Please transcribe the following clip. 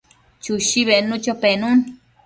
Chushi bednucho penun